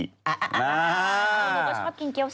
หนูก็ชอบกินเกี๊ยวซ่ายากิ